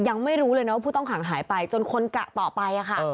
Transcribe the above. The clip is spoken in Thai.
ยังไม่รู้แล้วพ่อต้องหาน่ายไปจนคนกะต่อไปอะค่ะ